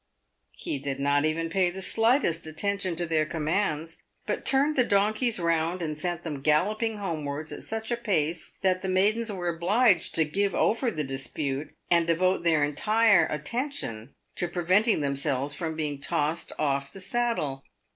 He did not even pay the slightest atten tion to their commands, but turned the donkeys round, and sent them galloping homewards at such a pace that the maidens were obliged to PAVED WITH GOLD. 197 give over the dispute, and devote their entire attention to preventing themselves from being tossed off the saddle.